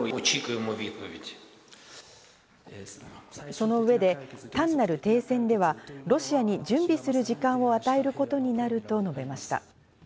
その上で、単なる停戦ではロシアに準備する時間を与えることになると述べました。